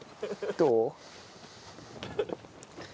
どう？